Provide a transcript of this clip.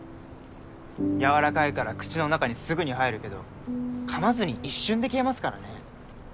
やわらかいから口の中にすぐに入るけど噛まずに一瞬で消えますからね